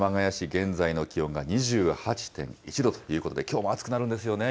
現在の気温が２８．１度ということで、きょうも暑くなるんですよね？